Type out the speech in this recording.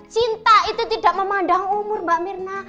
cinta itu tidak memandang umur mbak mirna